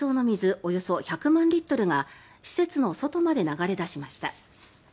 およそ１００万リットルが施設の外まで流れ出しました。